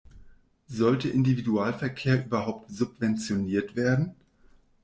Sollte Individualverkehr überhaupt subventioniert werden?